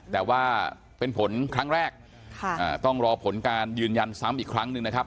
แต่ว่าเป็นผลครั้งแรกต้องรอผลการยืนยันซ้ำอีกครั้งหนึ่งนะครับ